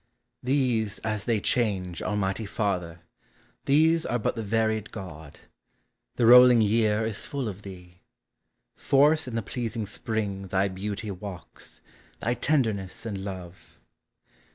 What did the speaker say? These, as they change, Almighty Father, these Are but the varied God. The rolling year Is full of thee. Forth in the pleasing Spring Thy beauty walks, thy tenderness and love.